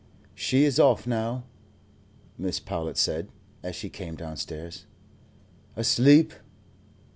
"She is off now," Mrs. Powlett said, as she came downstairs. "Asleep?"